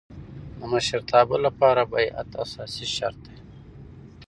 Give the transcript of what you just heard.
د مشرتابه له پاره بیعت اساسي شرط دئ.